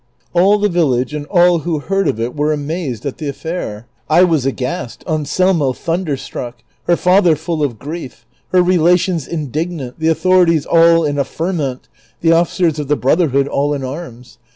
All tiie village and all who heai d of it were amazed at the affair; I was aghast, Anselmo thunderstruck, her father full of grief, her relations indignant, the authorities all in a ferment, the officers of the Brotherhood all in arms.